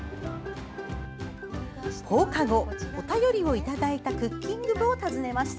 放課後、お便りをいただいたクッキング部を訪ねました。